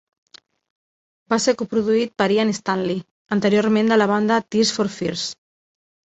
Va ser coproduït per Ian Stanley, anteriorment de la banda Tears For Fears.